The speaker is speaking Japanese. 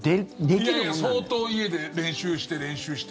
いやいやいや相当、家で練習して、練習して。